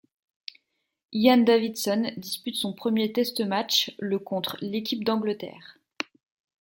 Ian Davidson dispute son premier test match le contre l'équipe d'Angleterre.